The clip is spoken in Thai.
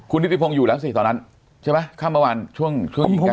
คุณนิติพงศ์อยู่แล้วสิตอนนั้นใช่ไหมคำประวันช่วงอีกแก๊สตาร์ท